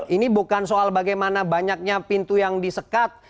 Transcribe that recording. ini bukan soal bagaimana banyaknya pintu yang disekat